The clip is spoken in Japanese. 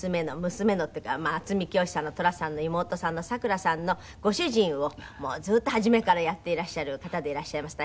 娘のっていうか渥美清さんの寅さんの妹さんのさくらさんのご主人をずっと初めからやっていらっしゃる方でいらっしゃいます。